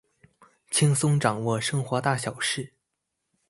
輕鬆掌握生活大小事